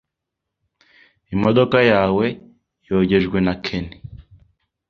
Imodoka yawe yogejwe na Ken.